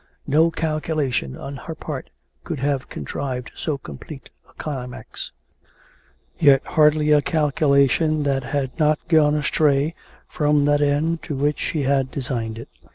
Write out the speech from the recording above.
No calculation on her part could have contrived so complete a climax; yet hardly a calculation that had not gone astray from that end to which she had designed it.